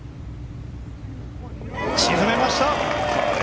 沈めました！